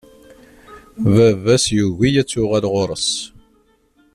Baba-s yugi ad tuɣal ɣur-s.